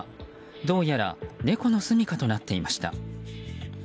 どうやら猫のすみかとなっていました。